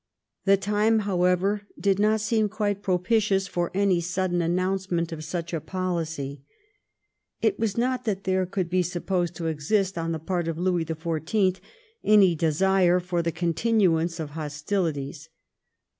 The time, however, did not seem quite propitious for any sudden announce ment of such a poHcy. It was not that there could be supposed to exist on the part of Louis the Four teenth any desire for the continuance of hostilities.